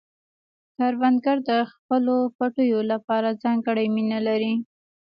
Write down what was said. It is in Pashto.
کروندګر د خپلو پټیو لپاره ځانګړې مینه لري